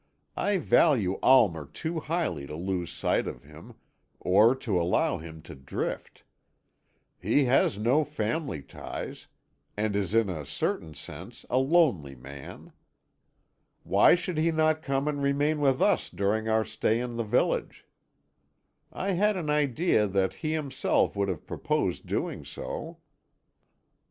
I value Almer too highly to lose sight of him, or to allow him to drift. He has no family ties, and is in a certain sense a lonely man. Why should he not come and remain with us during our stay in the village? I had an idea that he himself would have proposed doing so."